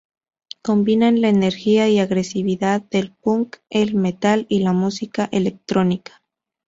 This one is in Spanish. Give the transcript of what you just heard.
Combinan la energía y agresividad del punk, el metal y la música electrónica.